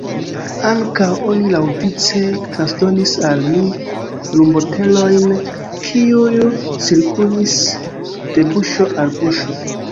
Ankaŭ, oni laŭvice transdonis al ni rumbotelojn, kiuj cirkulis de buŝo al buŝo.